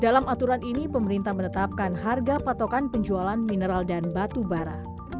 dalam aturan ini pemerintah menetapkan harga patokan penjualan mineral dan batu bara